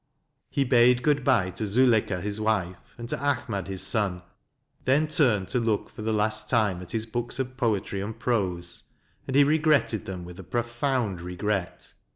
He bade good bye to Zuleika his wife, and to Ahmad his son, then turned to look for the last time at his books of poetry and prose; and he regretted them with a profound regret.